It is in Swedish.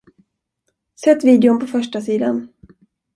Sätt videon på förstasidan.